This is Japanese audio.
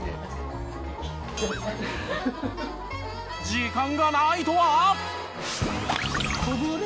「時間がない」とは？